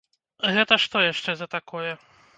Гэта што яшчэ за такое?